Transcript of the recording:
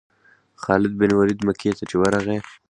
خالد بن ولید مکې ته چې ورغی.